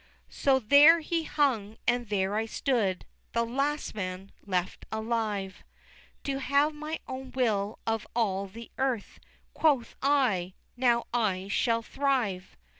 XXIX. So there he hung, and there I stood The LAST MAN left alive, To have my own will of all the earth: Quoth I, now I shall thrive!